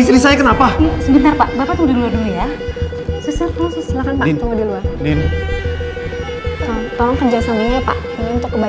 istri saya kenapa istri saya gak kenapa napa kan dok